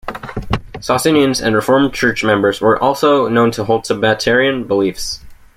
Socinians and Reformed Church members were also known to hold Sabbatarian beliefs.